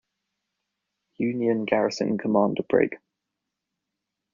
Union garrison commander Brig.